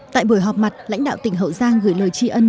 tại buổi họp mặt lãnh đạo tỉnh hậu giang gửi lời tri ân